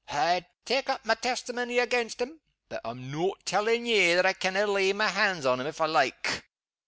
"I tak' up my testimony against 'em but I'm no' telling ye that I canna lay my hand on 'em if I like.